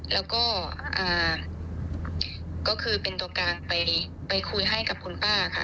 แล้วก็ก็คือเป็นตัวกลางไปคุยให้กับคุณป้าค่ะ